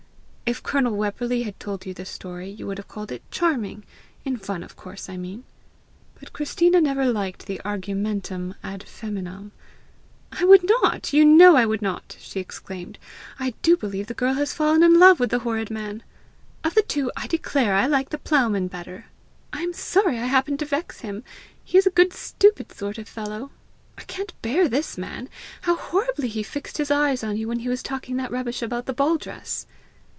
If Colonel Webberly had told you the story, you would have called it charming in fun, of course, I mean!" But Christina never liked the argumentum ad feminam. "I would not! You know I would not!" she exclaimed. "I do believe the girl has fallen in love with the horrid man! Of the two, I declare, I like the ploughman better. I am sorry I happened to vex him; he is a good stupid sort of fellow! I can't bear this man! How horribly he fixed his eyes on you when he was talking that rubbish about the ball dress!"